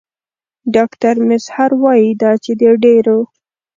ډاکټر میزهر وايي دا چې د ډېرو